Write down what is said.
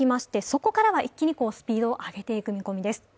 そこからは一気にスピードを上げていく見込みです。